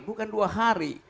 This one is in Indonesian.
bukan dua hari